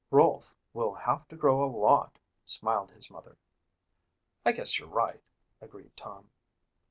"Rolfe will have to grow a lot," smiled his mother. "I guess you're right," agreed Tom.